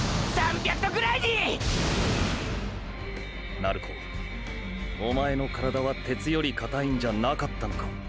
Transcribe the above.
鳴子おまえの体は鉄よりかたいんじゃなかったのか！！